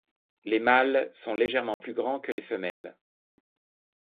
Les mâles sont légèrement plus grands que les femelles.